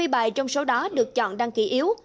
hai mươi bài trong số đó được chọn đăng ký yếu